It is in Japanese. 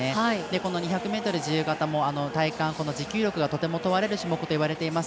この２００ｍ自由形も体幹持久力がとても問われる種目といわれています。